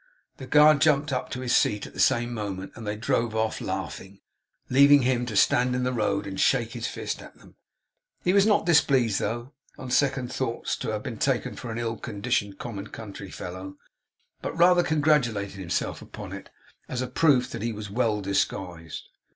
The guard jumped up to his seat at the same moment, and they drove off, laughing; leaving him to stand in the road and shake his fist at them. He was not displeased though, on second thoughts, to have been taken for an ill conditioned common country fellow; but rather congratulated himself upon it as a proof that he was well disguised.